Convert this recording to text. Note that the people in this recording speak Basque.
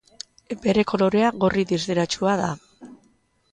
Bere kolorea gorri distiratsua da.